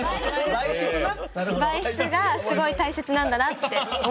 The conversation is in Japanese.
媒質がすごい大切なんだなって思いました。